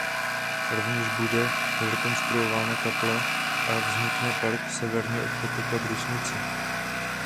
Rovněž bude zrekonstruována kaple a vznikne park severně od potoka Brusnice.